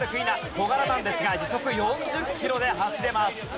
小柄なんですが時速４０キロで走れます。